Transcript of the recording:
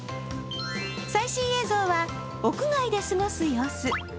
最新映像は屋外で過ごす様子。